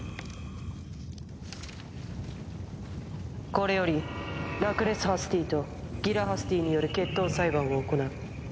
これよりラクレス・ハスティーとギラ・ハスティーによる決闘裁判を行う。